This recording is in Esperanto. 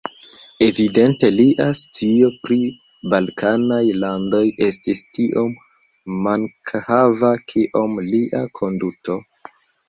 Evidente lia scio pri balkanaj landoj estis tiom mankhava kiom lia konduto.